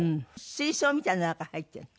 水槽みたいな中入ってるの？